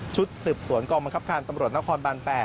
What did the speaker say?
ชุดศึกษวนกองบังคับคารตำรวจนครบ๘